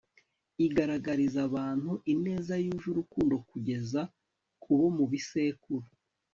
igaragariza abantu ineza yuje urukundo kugeza ku bo mu bisekuru